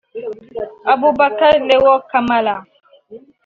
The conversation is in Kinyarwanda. Aboubacar Léo Camara